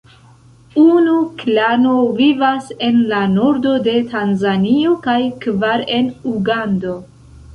Unu klano vivas en la nordo de Tanzanio kaj kvar en Ugando.